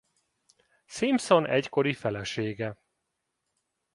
Simpson egykori felesége.